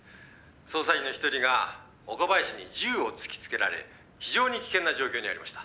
「捜査員の１人が岡林に銃を突きつけられ非常に危険な状況にありました」